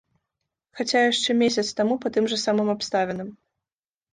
Хаця яшчэ месяц таму па тым жа самым абставінам.